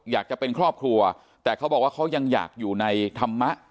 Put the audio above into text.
อยากจะเป็นครอบครัวแต่เขาบอกว่าเขายังอยากอยู่ในธรรมะ